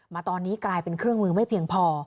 มาตอนนี้กลายเป็นเครื่องมือไม่เพียงพอ